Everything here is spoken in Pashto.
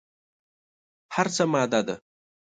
هر څه ماده ده.